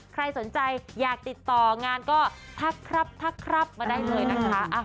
ใครสนใจอยากติดต่องานก็ทักครับทักครับมาได้เลยนะคะ